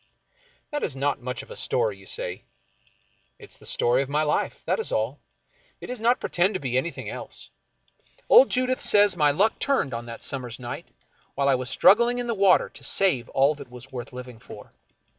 That is not much of a story, you say. It is the story of my life. That is all. It does not pretend to be anything 44 F. Marion Crawford else. Old Judith says my luck turned on that summer's night when I was struggling in the water to save all that was worth living for.